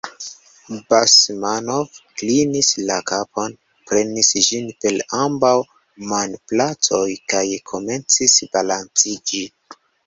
Basmanov klinis la kapon, prenis ĝin per ambaŭ manplatoj kaj komencis balanciĝi.